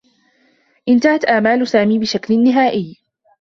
انتهت آمال سامي بشكل نهائيّ.